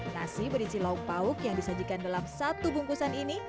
nasi berisi lauk pauk yang disajikan dalam satu bungkusan ini